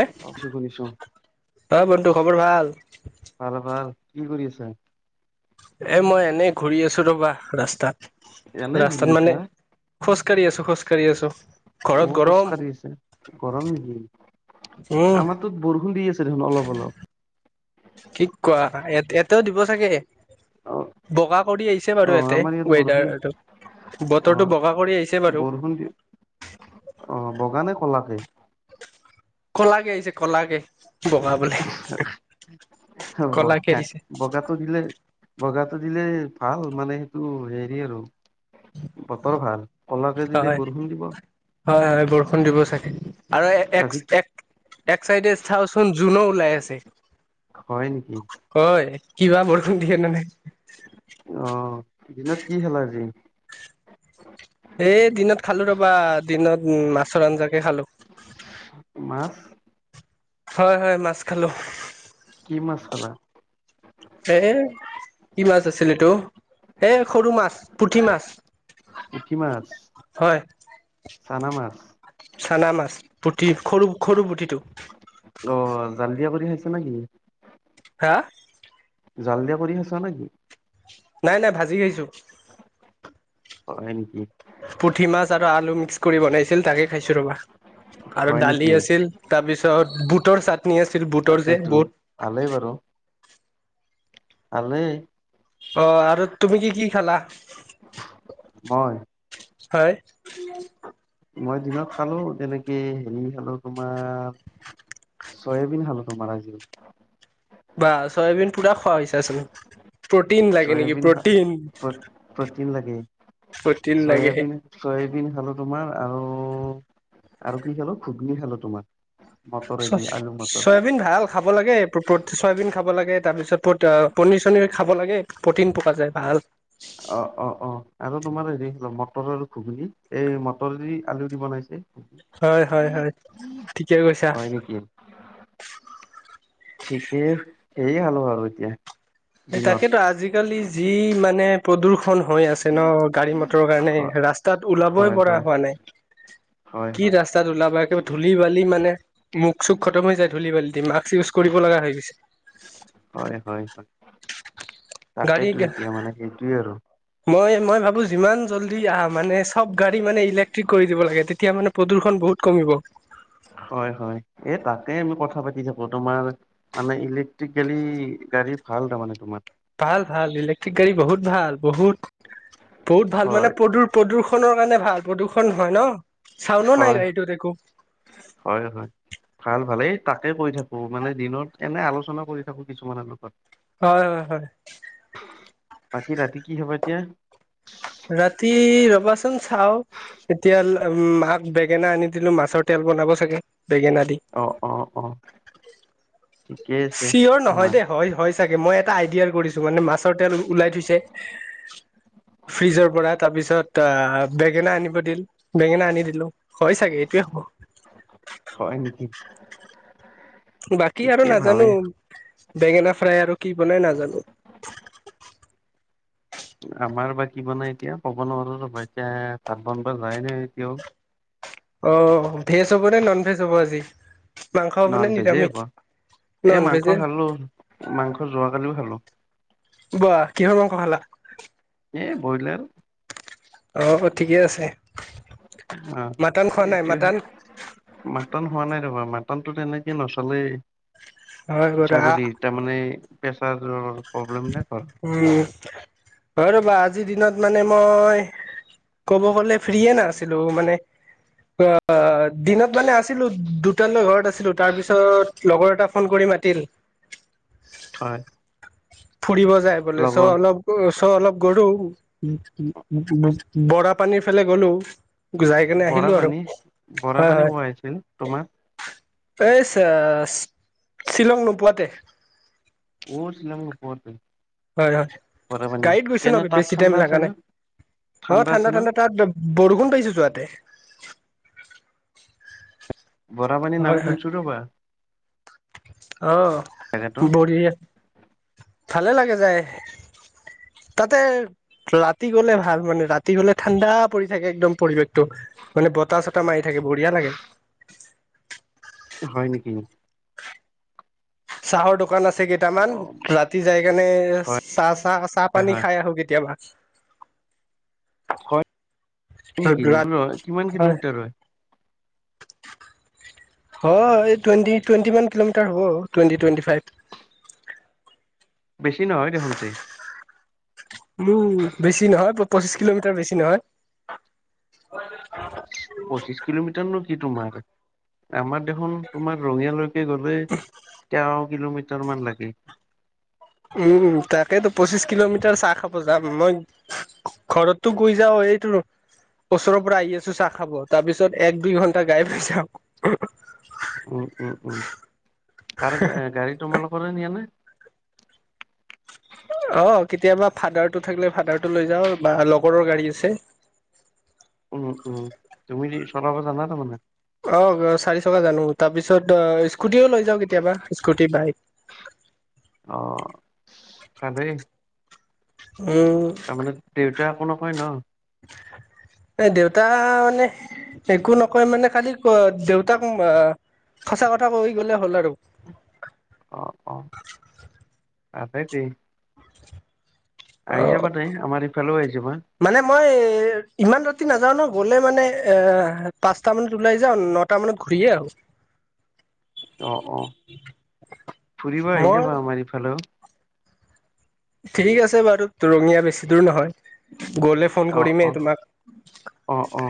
নে, শুনিছো শুনিছো অ বন্ধু খবৰ ভাল? ভাল ভাল কি কৰি আছা? এ মই এনেই ঘূৰি আছো ৰবা ৰাস্তাত, এনেই ঘূৰি ৰাস্তাত আছা মানে, খোজ কাঢ়ি আছো, খোজ কাঢ়ি আছো। ঘৰত অ' খোজ গৰম কাঢ়ি আছে, গৰম নেকি, উম আমাৰ তাত বৰষুণ দি আছে। অলপ অলপ। কি কোৱা, ইয়া ইয়াটেও দিব চাগে। অ বগা কৰি আহিছে অ বাৰু ইয়াতে আমাৰ ইয়াত বৰষুণ ৱেডাৰটো। অ বতৰটো বগা কৰি আহিছে বাৰু। বৰষুণ দিয়ে। অ বগা নে কলা কে? ক'লাকে আহিছে ক'লাকে। বগা বোলে হ কলাকে বগা, আহিছে বগাটো দিলে। বগাটো দিলে ভাল মানে সেইটো হেৰি আৰু বতৰ ভাল। কলাকে দিলে হয় বৰষুণ দিব হয় হয় বৰষুণ দিব চাগে আৰু এষ আজি কি এক, এক চাইডে চাওচোন যোনো ওলাই আছে। হয় নেকি হয়, কিবা বৰষুণ দিয়ে নে নাই। অ' দিনত কি খালা আজি? এই দিনত খালো ৰবা দিনত মাছৰ আঞ্জাকে খালো। মাছ। হয় হয়, মাছ খালো। কি মাছ খালা? এ', কি মাছ আছিল এইটো। এই সৰু মাছ, পুঠি মাছ, পুঠি মাছ হয়। চানা মাছ। চানা মাছ, পুঠি, সৰু সৰু পুঠিটো। অ', জালিয়া কৰি খাইছা নেকি? হা? জালিয়া কৰি খাইছা নেকি? নাই নাই ভাজি খাইছোঁ। হয় নেকি। পুঠি মাছ আৰু আলু মিক্স কৰি বনাইছিল তাকে খাইছো ৰবা, আৰু হয় দালি নেকি? আছিল। তাৰপিছত, বুটৰ চাট নি আছিল। বুটৰ যে তাকেইটো, বুট ভালেই বাৰু। ভালেই। অ', আৰু তুমি কি কি খালা? মই। হয়। [unintelligible] মই দিনত খালো তেনেকে হেৰি খালো তোমাৰ চয়াবিন খালোঁ তোমাৰ আজি। বাহ চয়াবিন পুৰা খোৱা হৈছা চুন প্ৰটিন লাগে নেকি চয়াবিন খা প্ৰটিন? প্ৰ- প্ৰটিন লাগে, প্ৰটিন লাগে চয়াবিন চয়াবিন খালো তোমাৰ আৰু, আৰু কি খালো, ঘুগনি খালো তোমাৰ। মটৰেদি আলু মটৰ চয়াবিন ভাল। খাব লাগে চয়াবিন খাব লাগে তাৰ পিছত প পনীৰ চনিৰ খাব লাগে প্ৰটিন পোৱা যায় ভাল। অ' অ' অ', আৰু তোমাৰ হেৰি মটৰ আৰু ঘুগুনী, এই মটৰদি আলু দি বনাইছে। হয় হয় হয়, ঠিকে কৈছা। হয় [inaudible] ঠিকেই, সেয়ে খালো আৰু এতিয়া। তাকেতো দিনত আজিকালি যি মানে প্ৰদূৰ্ষন হৈ আছে ন গাড়ী মটৰৰ কাৰণে ৰাস্তাত হয় ওলাবই পৰা হয় হোৱা নাই। হয় কি হয় ৰাস্তাত ওলাবা একেবাৰে ধূলি বালি মানে মুখ চুখ খতম হৈ যায় ধূলি বালি দি মাক্স ইউজ কৰিব লগা হৈ গৈছে। হয় হয় হয় গাড়ী তাকেতো এতিয়া মানে সেইটোয়ে আৰু মই মই ভাবো যিমান জল্দি আহ মানে চব গাড়ী মানে ইলেক্ট্ৰিক কৰি দিব লাগে তেতিয়া মানে প্ৰদূষণ বহুত কমিব হয় হয়, এই তাকে আমি কথা পাতি থাকো তোমাৰ মানে ইলেক্ট্ৰিকেলি গাড়ী ভাল তাৰমানে তোমাৰ। ভাল ভাল ইলেক্ট্ৰিক গাড়ী বহুত ভাল, বহুত, বহুত ভাল মানে হয় প্ৰদু প্ৰদূষণৰ কাৰণে ভাল, প্ৰদূৰ্ষণ হয় ন চাউনো হয় নাই গাড়ীটোত একো। হয় হয়। ভাল ভাল এই তাকেই কৈ থাকো, মানে দিনত এনে আলোচনা কৰি থাকো কিছুমানৰ লগত। হয় হয়। বাকী ৰাতি কি খাবা এতিয়া? ৰাতি ৰবাচোন চাওঁ। এতিয়া মাক বেঙেনা আনি দিলো মাছৰ তেল বনাব চাগে, বেঙেনা দি। অঁ অঁ অঁ চিয়ৰ নহয় তোমাৰ দেই হয় হয় চাগে, মই এটা আইডিয়াৰ কৰিছো মানে মাছৰ তেল ওলাই থৈছে। ফ্ৰিজৰ পৰা তাৰ পিছত অ বেঙেনা আনিব দিল। বেঙেনা আনি দিলো হয় চাগে এইটোৱে হ'ব। হয় নেকি। বাকী আৰু ঠিকে ভালে নাজানো বেঙেনা ফ্ৰাই আৰু কি বনাই নাজানো। আমাৰ বা কি বনাই এতিয়া ক'ব নোৱাৰো, ৰবা এতিয়া ভাত বনিবা যোৱাই নাই এতিয়াও। অ ভেজ হ'ব নে, নন ভেজ হ'ব আজি? মাংস হ'ব নন নে ভেজেই নিৰামিষ হ'ব, এই নন মাংস ভেজে খালোঁ মাংস যোৱাকালিও খালোঁ। বা, কিহৰ মাংস খালা? এই ব্ৰইলাৰ। অ ঠিকে আছে, অ মাটন খোৱা নাই এইটোহে মাটন? মাটন খোৱা নাই ৰবা, মাটনতো তেনেকে নচলেই হয় বাৰু ছাগলীৰ। তাৰ মানে প্ৰেচাৰৰ প্ৰব্লেম ন ঘৰ উম, হয় ৰ'বা আজি দিনত মানে মই ক'ব গ'লে ফ্ৰিয়ে নাছিলো মানে। অ দিনত মানে আছিলো দুটালৈ ঘৰত আছিলো, তাৰ পিছত লগৰ এটা ফোন কৰি মাতিল। হয়। ফুৰিব যায় বোলে, চ' লগৰ অলপ ওচৰ অলপ গৰু' বৰাপানীৰ ফালে গলো। যাই কেনে বৰা আহিলো আৰু, পানী বৰা হয় পানী হয়। খোৱাইছিল তোমাৰ এই চে শ্বিলং নোপোৱাতে। ও শ্বিলং নোপোৱাতেই। হয় হয় গাড়ীত গৈছো ন, তাত বেছি টাইম ঠাণ্ডা আছে লাগা ন নাই। অ ঠাণ্ডা আছে ন ঠাণ্ডা তাত বৰষুণ পাইছো যোৱাতে। বৰাপানীৰ হয় নাম শুনছো ৰ'বা। অহ জেগাটো বঢ়িয়া, ভালে লাগে যায়। তাতে ৰাতি গলে ভাল মানে, ৰাতি গলে ঠাণ্ডা পৰি থাকে একদম পৰিৱেশটো। মানে বতাহ চতাহ মাৰি থাকে বঢ়িয়া লাগে। হয় নেকি? চাহৰ দোকান আছে কে ইটামান অ ৰাতি যাই কেনে হয় চাহ চাহ চাহ হয় পানী হয় খাই আহো কেতিয়াবা। [inaudible] হয় নেকি, দূৰ হয় কিমান কিলোমিটাৰ হয়? হয়, টুৱেন্টি টুৱেটি মান কিলোমিটাৰ হ'ব টুৱেন্টি টুৱেন্টি ফাইভ। বেছি নহয় দেখোন তে। উম বেছি নহয় পঁচিছ কিলোমিটাৰ বেছি নহয় হয় [unintelligible] পঁচিশ কিলোমিটাৰ নো কি তোমাৰলে আমাৰ দেখোন তোমাৰ ৰঙিয়ালৈ কে গ'লে তেৰ কিলোমিটাৰ মান লাগে উম তাকেইেতো পঁচিশ কিলোমিটাৰ চাহ খাব যাম মই ঘৰতটো কৈ যাওঁ এইটো ওচৰৰ পৰা আহি আছো চাহ খাব তাৰ পিছত এক দুই ঘণ্টা গায়াব হৈ যাও উম উম উম কাৰ এ গাড়ী তোমালোকৰে নিয়ানে অ কেতিয়াবা ফাদাৰ টো থাকিলে ফাদাৰ টো লৈ যাওঁ বা লগৰো গাড়ী আছে উম উম তুমি যি চলাব জানা তাৰমানে অ চাৰি চকা জানো তাৰপিছত অ স্কুটিও লৈ যাওঁ কেতিয়াবা স্কুটি বাইক অঁ ভালেই উ তাৰমানে দেউতা একো নকয় ন এ দেউতা মানে একো নকয় মানে খালি ক দেউতাক আ সঁচা কথা কৈ গ'লে হ'ল আৰু অ অ তাতে দেই আহি অ যাবা দেই আমাৰ ইফালেও আহিছো মই মানে মই ইমান ৰাতি নাযাও ন গ'লে মানে এ পাঁচটা মানত ওলাই যাও নত টা মানত ঘূৰিয়ে আহো অ অ ফুৰিব আহি মই যাবা আমাৰ ইফালেও ঠিক আছে বাৰু টোৰ ৰঙীয়া বেছি দূৰ নহয় গলে ফন অ অ কৰিমেই তোমাক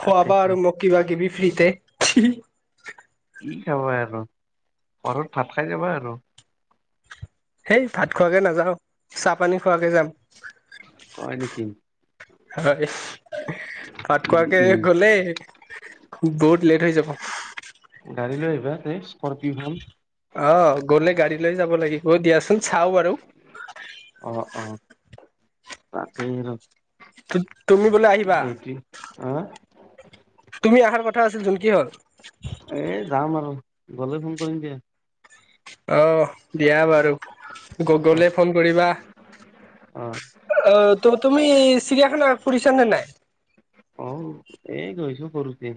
তাকে বা আৰু মোক কিবাকিবি ফ্ৰীতে কি খাবা আৰু ঘৰত ভাত খাই যাবা আৰু সেই ভাত খোৱাকে নাযাও চা পানী খোৱাকে যাম হয় নেকি হয় উম ভাতকোৱাকে উম গলে বহুত লেট হৈ যাব গাড়ী লৈ আহিবা তে স্কপিঅ' খন অ গ'লে গাড়ী লৈ যাব লাগিব দিয়াচোন চাও বাৰু অ অ তাকেই আৰু তু তুমি বোলে আহিবা অ', তুমি অহাৰ কথা আছিল যোন কি হল এ যাম আৰু গ'লে ফোন কৰিম দিয়া অ দিয়া বাৰু গ গলে অ', ফোন কৰিবা অ অ তুম তুমি চিৰিয়াখানা ফুৰিছা নে নাই অ এই গৈছো সৰুতে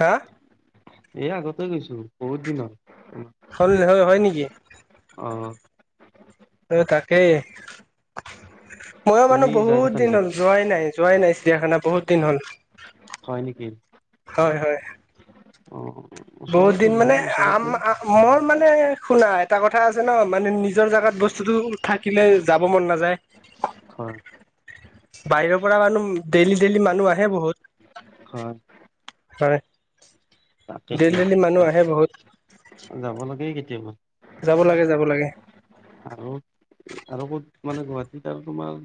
হা এ আগতে গৈছো বহুত দিনত উম হল হয় হয় নেকি অ অ তাকেই মই মানো তুমি যাই বহুত থাকা দিন নেকি হল যোৱাই নাই যোৱাই নাই চিয়াখানা বহুত দিন হ'ল হয় নেকি অ হয় হয় বহুত ওচৰতে দিন মানে তোমাৰ আম ওচৰতে মোৰ মানে শুনা এটা কথা আছে ন মানে নিজৰ জেগাত বস্তুতটো থাকিলে যাব মন নাযায় [inaudible] হয় বাহিৰৰ পৰা মানুহ ডেইলি ডেইলি মানুহ আহে বহুত হয় হয় ডেইলি তাকেতো ডেইলি মানুহ আহে বহুত যাব লাগে কেতিয়াবা যাব লাগে যাব লাগে আৰু আৰু ক'ত মানে গুৱাহাটীত আৰু তোমাৰ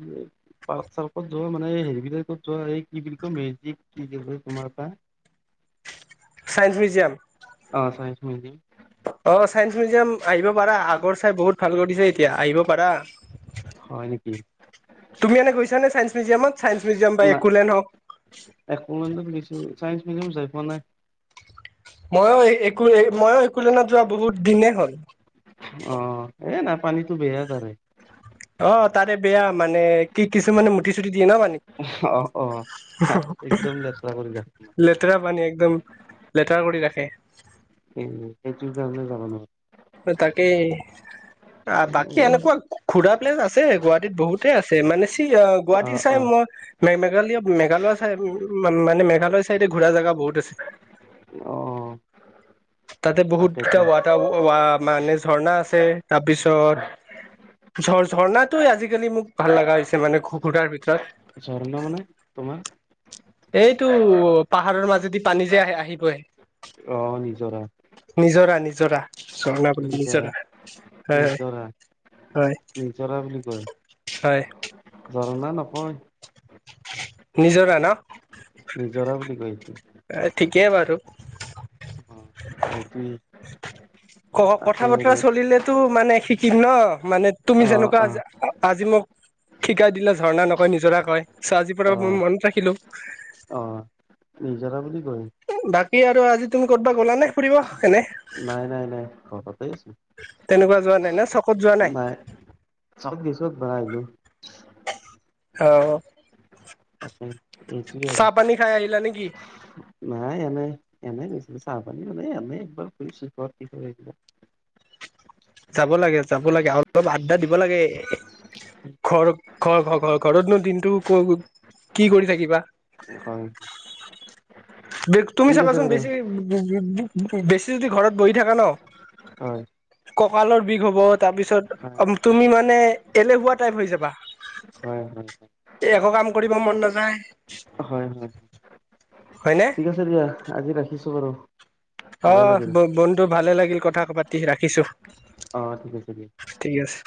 পাৰ্ক চাৰ্কত যোৱা মানে হেৰি বিলাকত যোৱা এই কি বুলি কয় মেজিক কি তোমাৰ এটা চায়েন্স মিউজিয়াম অ চাইঞ্চ মিউজিয়াম অ চাইন্স মিউজিয়াম আহিব পাৰা আগৰ চাই বহুত ভাল কৰি দিছে এতিয়া আহিব পাৰা হয় নেকি তুমি এনে গৈছানে চাইন্স মিউজিয়ামত চাইন্স মিউজিয়াম বা একোলেন হক একুলেণ্ডত গৈছোঁ চাইন্স মিউজিয়াম যাই পোৱা নাই মইয়ো একো মইও একোনেল নত যোৱা বহুত দিনেই হ'ল অ এ নাই পানীটো বেয়াই তাৰে অ তাৰে বেয়া মানে কি কিছুমানে মুটি চুটি দিয়ে ন মানে অ অ একদম লেতেৰা কৰি যা তোমাৰ পানী একদম লেটাৰ কৰি ৰাখে সেইয়ে সেইটোৰ কাৰণে যাবা নৰ হয় তাকেই তা তাকে এনেকুৱা ঘূৰা প্লেজ আছে গুৱাহাটীত বহুত তে আছে মানে চি অ গুৱাহাটী চাই মই মে মেঘালিয়া মেঘালয় চাই মানে মেঘালয় চাইডে ঘূৰা জেগা বহুত আছে। অ তাতে বহুত তাকেইতো কেইটা ৱাটাৰ মানে ঝৰ্ণা আছে তাৰপিছত ঝ ঝৰ্ণাটোৱে আজিকালি মোক ভাল লগা হৈছে মানে ঘুকুৰাৰ ভিতৰত ঝৰনা মানে তোমা এইটো পাহাৰৰ মাজেদি পানী যে আহে আহিগৈ অ নিজৰা নিজৰা নিজৰা ঝৰ্না নিজৰা হয় নিজৰা হয় নিজৰা বুলি কয় হয় জৰণা নহয় নিজৰা ন নিজৰা বুলি কৈ তো এ ঠিকেই বাৰু আই পি ক কথা বতৰা চলিলেতো মানে শিকিম ন মানে তুমি অ যেনেকুৱা অ যা আজি মোক সিকাই দিলা ঝৰ্ণা নকয় নিজৰা কয় চ আজিৰ পৰা অ মই মনত ৰাখিলো অ নিজৰা বুলি কয় উম বাকী আৰু আজি তুমি কতবা গ'লা নে ফুৰিব এনে নাই নাই নাই ঘৰতে তেনেকুৱা যোৱা নাই না চক বাই চক দিছোঁ বাই আলু অ অ তাকে উম চাহ পানী খাই আহিলা নেকি? নাই এনে এনে গৈছিলো চাহ পানী মানে ইনেই একবাৰ ফুৰিছো ঘৰত কি, যাব লাগে যাব লাগে অলপ আড্ডা দিব লাগে ঘৰ ঘৰ ঘ ঘৰ ঘৰতনো দিনটো কি কৰি থাকিবা - হয় বেক তুমি ঠিক আছে চাবাচোন বাৰু বেছিবে বে বু বেছি যদি ঘৰত বহি থাকা ন হয় কঁকালৰ বিষ হ'ব তাৰ হয় পিছত তুমি মানে এলেহুৱা টাইপ হৈ যাবা। হয়। হয় এ একো কাম কৰিব মন নাযায়। হয় হয়। হয়নে। ঠিক আছে দিয়া আজি ৰাখিছোঁ বাৰু। ভালে অ' লাগিল ব বন্ধু ভালে লাগিল কথা পাতি ৰাখিছোঁ। অ' ঠিক আছে দিয়া। ঠিক আছে।